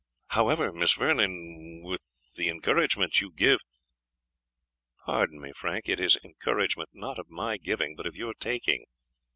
However, Miss Vernon, with the encouragement you give" "Pardon me, Frank it is encouragement not of my giving, but of your taking.